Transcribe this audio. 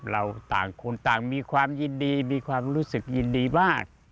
เราต่างคนต่างมีความยินดีมีความรู้สึกยินดีมาก